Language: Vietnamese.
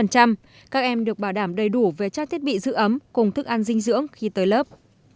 các em được bảo đảm đầy đủ về trang thiết bị giữ ấm cùng thức ăn dinh dưỡng khi tới lớp